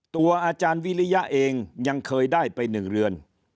อาจารย์วิริยะเองยังเคยได้ไป๑เรือน